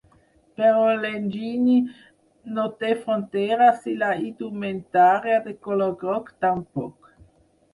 Però l’enginy no té fronteres i la indumentària de color groc, tampoc.